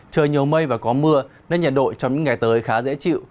trời nhiều mây và có mưa nên nhận đội trong những ngày tới khá dễ chịu